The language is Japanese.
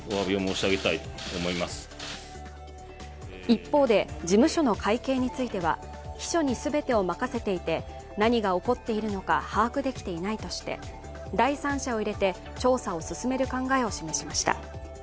一方で事務所の会計については秘書に全てを任せていて、何が起こっているのか把握できていないとして第三者を入れて調査を進める考えを示しました。